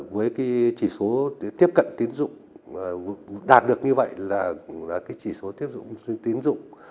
với chỉ số tiếp cận tiến dụng đạt được như vậy là chỉ số tiến dụng